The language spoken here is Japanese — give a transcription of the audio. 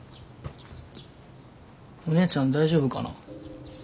お姉ちゃん大丈夫かな？